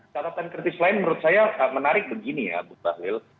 catatan kritis lain menurut saya menarik begini ya bu bahlil